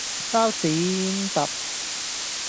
包剪~~揼